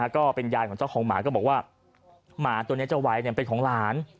ก็เป็นยายของเจ้าของหมาก็บอกว่าหมาตัวนี้จะไว้เป็นของหลาน